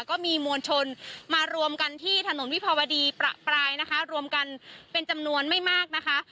ก็มีมวลชนมารวมกันที่ถนนวิภาวดีประปรายนะคะรวมกันเป็นจำนวนไม่มากนะคะ